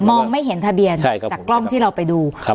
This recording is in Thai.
ไม่เห็นทะเบียนใช่ครับจากกล้องที่เราไปดูครับ